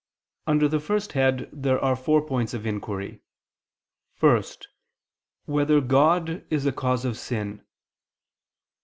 Under the first head there are four points of inquiry: (1) Whether God is a cause of sin?